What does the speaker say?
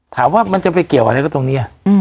ถามว่ามันจะไปเกี่ยวอะไรก็ตรงนี้